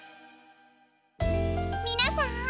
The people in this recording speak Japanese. みなさん